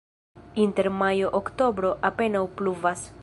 Inter majo-oktobro apenaŭ pluvas.